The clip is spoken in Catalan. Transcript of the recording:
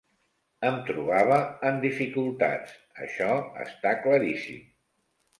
Em trobava en dificultats, això està claríssim.